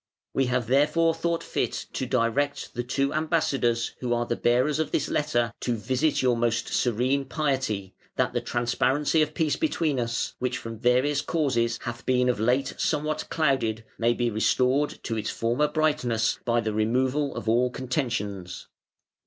"We have therefore thought fit to direct the two Ambassadors who are the bearers of this letter to visit your most Serene Piety, that the transparency of peace between us, which from various causes hath been of late somewhat clouded, may be restored to its former brightness by the removal of all contentions.